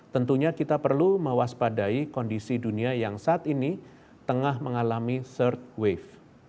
tentunya kita perlu mewaspadai kondisi dunia yang saat ini tengah mengalami search wave